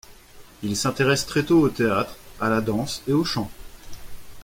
Il s’intéresse très tôt au théâtre, à la danse et au chant.